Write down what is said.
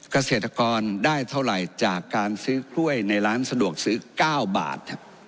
เกษตรกรได้เท่าไหร่จากการซื้อกล้วยในร้านสะดวกซื้อ๙บาท